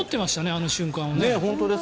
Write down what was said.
あの瞬間を。